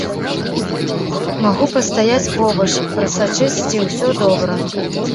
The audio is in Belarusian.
Магу пастаяць побач, прасачыць, ці ўсё добра.